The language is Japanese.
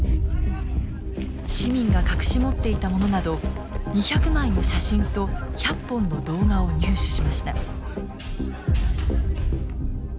市民が隠し持っていたものなど２００枚の写真と１００本の動画を入手しました。